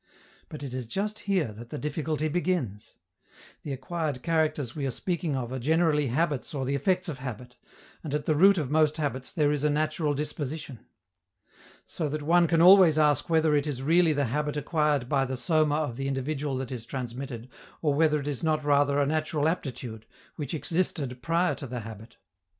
But it is just here that the difficulty begins. The acquired characters we are speaking of are generally habits or the effects of habit, and at the root of most habits there is a natural disposition. So that one can always ask whether it is really the habit acquired by the soma of the individual that is transmitted, or whether it is not rather a natural aptitude, which existed prior to the habit.